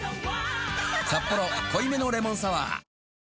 「サッポロ濃いめのレモンサワー」